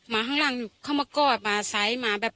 มาข้างล่างก็มาก้อนมาใส้มาแบบ